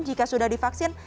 jika sudah divaksin